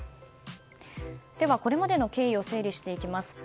では、これまでの経緯を整理していきます。